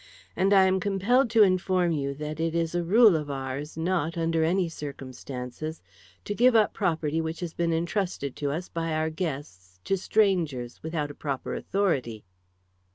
And I am compelled to inform you that it is a rule of ours not, under any circumstances, to give up property which has been intrusted to us by our guests to strangers without a proper authority."